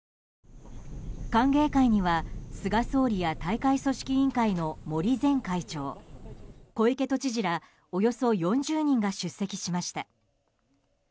歓迎会には菅総理や大会組織委員会の森前会長小池都知事らおよそ４０人が出席しました。